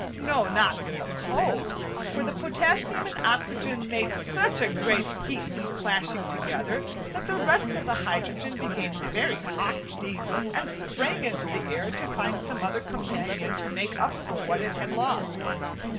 No, not in the cold! for the potassium and oxygen made such a great heat in clashing together that the rest of the hydrogen became very hot indeed, and sprang into the air to find some other companion to make up for what it had lost.